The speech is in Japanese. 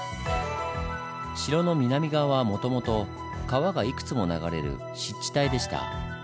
城の南側はもともと川がいくつも流れる湿地帯でした。